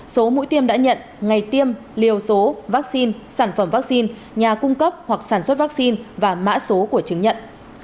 số mũi tiêm đã nhận ngày tiêm liều số vaccine sản phẩm vaccine nhà cung cấp hoặc sản xuất vaccine và mã số của chứng nhận